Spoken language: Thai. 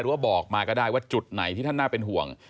ว่าบอกมาก็ได้ว่าจุดไหนที่ท่านน่าเป็นห่วง